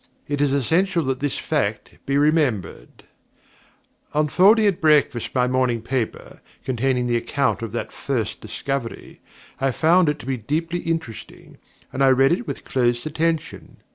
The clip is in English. It is essential that this fact be remembered. Unfolding at breakfast my morning paper, containing the account of that first discovery, I found it to be deeply interesting, and I read it with close attention.